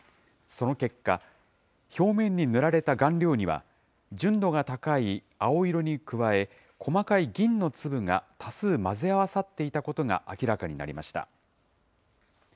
その結果、表面に塗られた顔料には、純度が高い青色に加え、細かい銀の粒が多数混ぜ合わさっていたことが明らかになりました。